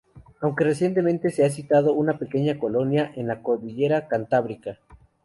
Aunque recientemente se ha citado una pequeña colonia en la cordillera Cantábrica.